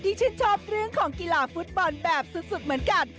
ชื่นชอบเรื่องของกีฬาฟุตบอลแบบสุดเหมือนกัน